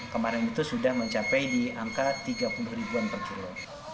kemarin itu sudah mencapai di angka tiga puluh ribuan per kilo